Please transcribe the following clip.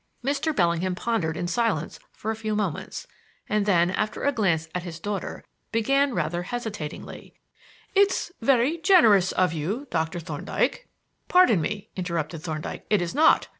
Mr. Bellingham pondered in silence for a few moments, and then, after a glance at his daughter, began rather hesitatingly: "It's very generous of you, Doctor Thorndyke " "Pardon me," interrupted Thorndyke, "it is not.